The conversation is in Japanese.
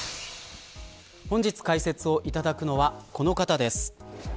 本日、解説をいただくのはこの方です。